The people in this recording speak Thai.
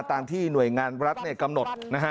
ตามที่หน่วยงานรัฐกำหนด